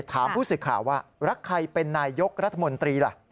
ถามผู้สื่อข่าวว่ารักใครเป็นนายยกรัฐมนตรีล่ะ